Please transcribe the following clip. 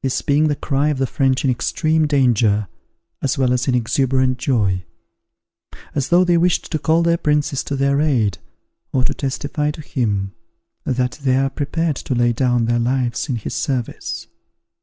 this being the cry of the French in extreme danger, as well as in exuberant joy; as though they wished to call their princes to their aid, or to testify to him that they are prepared to lay down their lives in his service.